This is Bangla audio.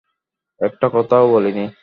একটা কথাও বলেনি।